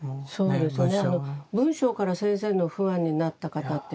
そうですね。